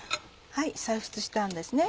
再沸したんですね。